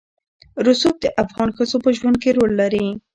رسوب د افغان ښځو په ژوند کې رول لري.